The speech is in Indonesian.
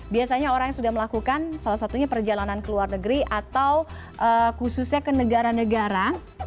biasanya orang yang sudah melakukan salah satunya perjalanan ke luar negeri atau khususnya ke negara negara